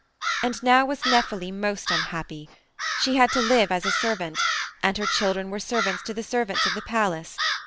"And now was Nephele most unhappy. She had to live as a servant, and her children were servants to the servants of the palace.